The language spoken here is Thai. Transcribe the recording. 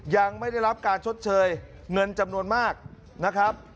ยังไม่ได้รับการชดเชยเงินจำนวนมากนะครับ